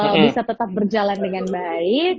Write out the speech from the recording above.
kalau bisa tetap berjalan dengan baik